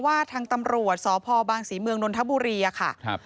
ว่าทางตำรวจทรพบางศรีเมืองนนทบุรีอะคะ